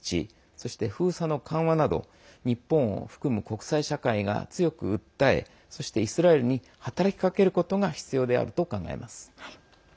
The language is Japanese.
そして封鎖の緩和など日本を含む国際社会が強く訴えそしてイスラエルに働きかけることが必要であると考えます。